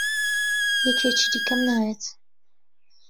یەکێکی دیکەم ناوێت.